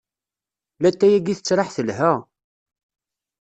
Latay-agi tettraḥ telha.